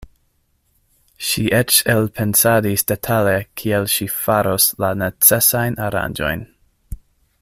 Ŝi eĉ elpensadis detale kiel ŝi faros la necesajn aranĝojn.